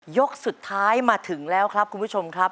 ยกสุดท้ายมาถึงแล้วครับคุณผู้ชมครับ